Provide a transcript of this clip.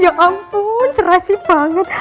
ya ampun serasi banget